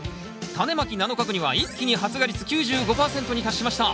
タネまき７日後には一気に発芽率９５％に達しました！